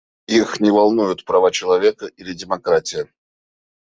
Их не волнуют права человека или демократия.